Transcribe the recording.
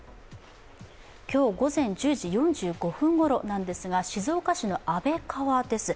今日午前１０時４５分ごろなんですが静岡市の安倍川です。